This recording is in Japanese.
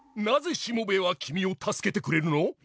なぜしもべえは君を助けてくれるの？